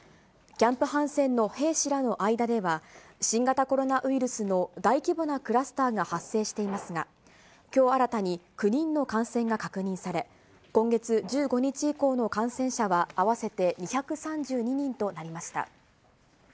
キャンプ・ハンセンの兵士らの間では、新型コロナウイルスの大規模なクラスターが発生していますが、きょう新たに９人の感染が確認され、今月１５日以降の感染者は合わせて２３２人となりました。